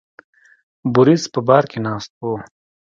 بوریس په بار کې ناست و.